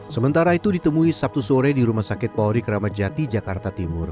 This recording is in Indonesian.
sementara itu ditemui sabtu sore di rumah sakit polri kramat jati jakarta timur